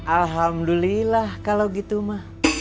alhamdulillah kalau gitu ma